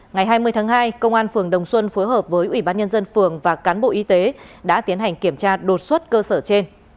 ngày hai mươi tháng hai công an phường đồng xuân phối hợp với ủy ban nhân dân phường và cán bộ y tế đã tiến hành kiểm tra đột xuất cơ sở trên